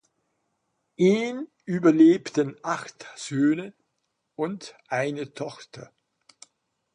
Ihn überlebten acht Söhne und eine Tochter.